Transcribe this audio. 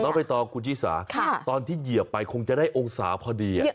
ล่อไปต่อกูจีศาตอนที่เหยียบไปคงได้องค์สาวเพราดี